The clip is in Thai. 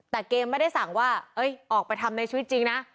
แต่เกมไม่ได้สั่งว่าออกไปทำในชีวิตจริงนะ